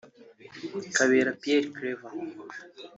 Kabera Pierre Claver